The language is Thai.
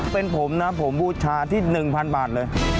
เป็นผมนะผมบูชาที่๑๐๐๐บาทเลย